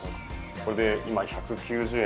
これで今１９０円。